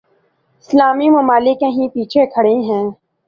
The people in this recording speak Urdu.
اسلامی ممالک کہیں پیچھے کھڑے ہیں۔